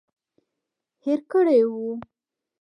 هېر کړي وو.